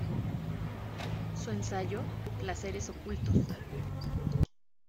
Su ensayo "Placeres ocultos.